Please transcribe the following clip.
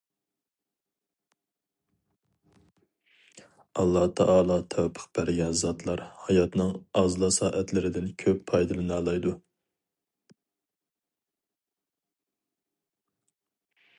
ئاللاتائالا تەۋپىق بەرگەن زاتلار ھاياتنىڭ ئازلا سائەتلىرىدىن كۆپ پايدىلىنالايدۇ.